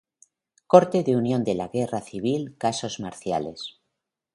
Corte de Unión de la Guerra Civil - Casos Marciales